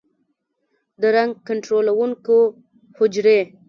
د رنګ کنټرولونکو حجرې